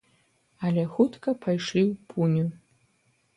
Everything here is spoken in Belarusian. Але хутка пайшлі ў пуню.